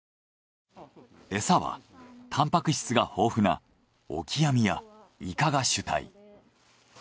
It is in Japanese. エサはタンパク質が豊富なオキアミやイカが主体。